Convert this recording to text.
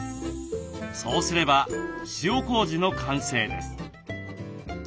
そうすれば塩こうじの完成です。